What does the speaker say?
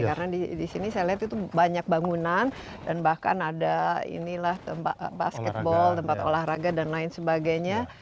karena disini saya lihat itu banyak bangunan dan bahkan ada tempat basketbol tempat olahraga dan lain sebagainya